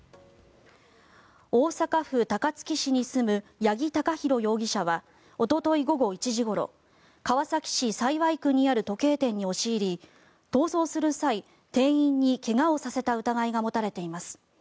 大阪府高槻市に住む八木貴寛容疑者はおととい午後１時ごろ川崎市幸区にある時計店に押し入り逃走する際、店員に怪我をさせた疑いが持たれています。